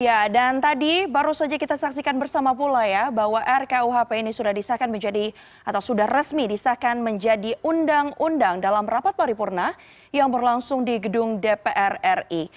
ya dan tadi baru saja kita saksikan bersama pula ya bahwa rkuhp ini sudah disahkan menjadi atau sudah resmi disahkan menjadi undang undang dalam rapat paripurna yang berlangsung di gedung dpr ri